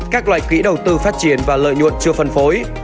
các loại quỹ đầu tư phát triển và lợi nhuận chưa phân phối